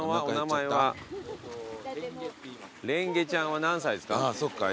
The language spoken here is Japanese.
蓮華ちゃんは何歳ですか？